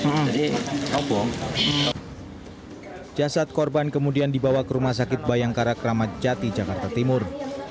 jadi obong obong jasad korban kemudian dibawa ke rumah sakit bayangkara kramat jati jakarta timur